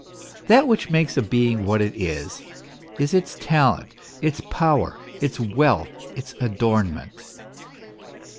That which makes a being what it is is its talent, its power, its wealth, its adornment.